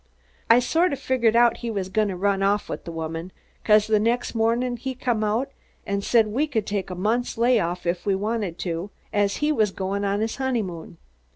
I sort of figured out he was goin' to run off with the woman, 'cause the next morning he come out and said we could take a month's lay off if we wanted to, as he was goin' on his honeymoon.